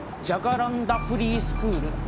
ジャカランダ・フリースクール。